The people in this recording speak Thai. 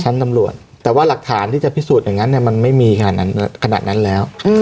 ชั้นตำรวจแต่ว่าหลักฐานที่จะพิสูจน์อย่างนั้นมันไม่มีขนาดนั้นแล้ว